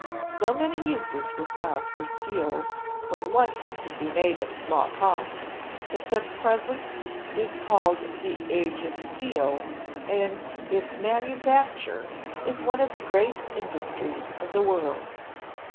So many uses were found for steel, when once it could be made at small cost, that the present is called the "Age of Steel," and its manufacture is one of the great indus tries of the world.